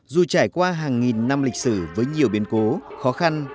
dù trải qua hàng nghìn năm lịch sử với nhiều biến cố khó khăn